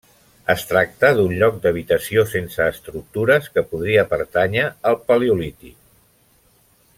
Es tracta d'un lloc d'habitació sense estructures que podria pertànyer al Paleolític.